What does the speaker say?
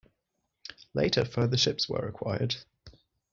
Later further ships were acquired.